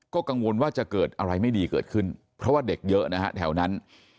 ก็กังวลว่าจะเกิดอะไรไม่ดีเกิดขึ้นเพราะว่าเด็กเยอะนะฮะแถวนั้น